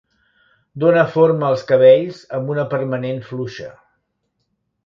Dóna forma als cabells amb una permanent fluixa.